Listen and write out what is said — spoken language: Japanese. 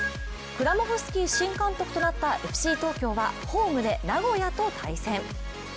クラモフスキー新監督となったＦＣ東京はホームで名古屋と対戦。